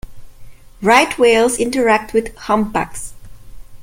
Right whales interact with humpbacks.